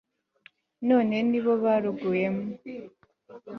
none ni bo baruguyemo